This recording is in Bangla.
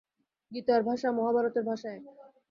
গীতার ভাষা মহাভারতের ভাষা এক।